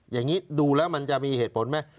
อย่างนี้ดูแล้วมันจะมีเหตุผลไหม